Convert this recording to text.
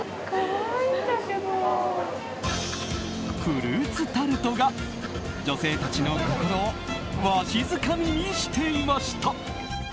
フルーツタルトが女性たちの心をわしづかみにしていました。